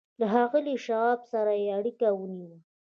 له ښاغلي شواب سره يې اړيکه ونيوه.